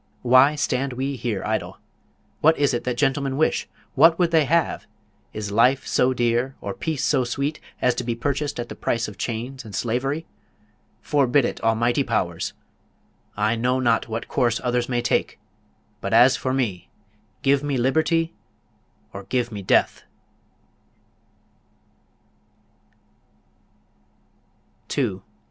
Why stand we here idle? What is it that gentlemen wish? What would they have? Is life so dear, or peace so sweet, as to be purchased at the price of chains and slavery? Forbid it, Almighty Powers! I know not what course others may take; but as for me, give me liberty or give me death!